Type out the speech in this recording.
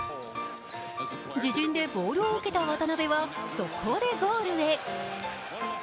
自陣でボールを受けた渡邊は速攻でゴールへ。